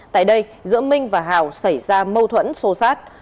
tại đây giữa minh và hào xảy ra mâu thuẫn xô xát